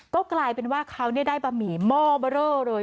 ก็กลายเป็นว่าเขาได้บะหมี่หม้อเบอร์เรอเลย